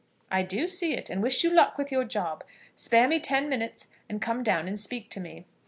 "I do see it, and wish you luck with your job. Spare me ten minutes, and come down and speak to me."